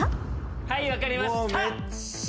はい分かりました！